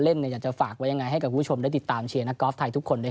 อยากจะฝากไว้ยังไงให้กับคุณผู้ชมได้ติดตามเชียร์นักกอล์ฟไทยทุกคนด้วย